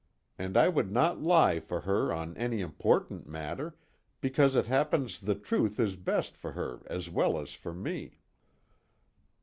And I would not lie for her on any important matter, because it happens the truth is best for her as well as for me."